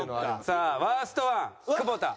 さあワースト１久保田。